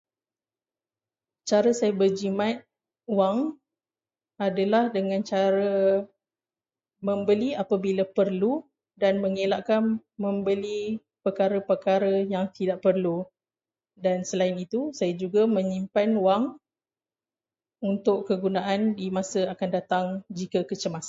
Cara saya berjimat wang adalah dengan cara membeli apabila perlu dan mengelakkan membeli perkara-perkara yang tidak perlu, dan selain itu saya juga menyimpan wang untuk kegunaan di masa akan datang jika kecemasan.